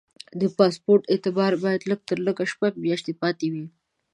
د پاسپورټ اعتبار باید لږ تر لږه شپږ میاشتې پاتې وي.